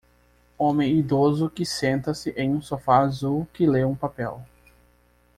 Homem idoso que senta-se em um sofá azul que lê um papel.